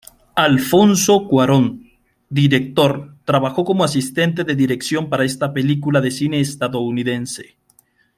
Alfonso Cuarón, director, trabajó como asistente de dirección para esta película de cine estadounidense.